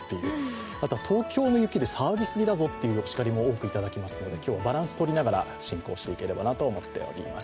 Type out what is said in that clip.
あとは東京の雪で騒ぎすぎだぞというお叱りも受けるので今日はバランスとりながら進行していければと思っております。